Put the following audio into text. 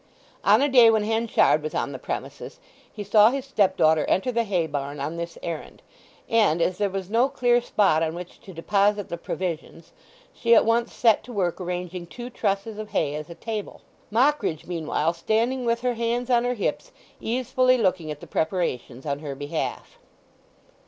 On a day when Henchard was on the premises he saw his stepdaughter enter the hay barn on this errand; and, as there was no clear spot on which to deposit the provisions, she at once set to work arranging two trusses of hay as a table, Mockridge meanwhile standing with her hands on her hips, easefully looking at the preparations on her behalf.